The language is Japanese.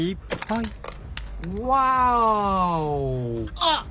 あっ。